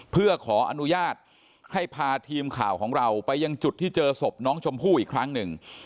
เพื่อขออนุญาตให้พาทีมข่าวของเราไปยังจุดที่เจอศพน้องชมพู่อีกครั้งหนึ่ง